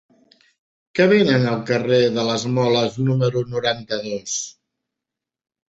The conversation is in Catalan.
Què venen al carrer de les Moles número noranta-dos?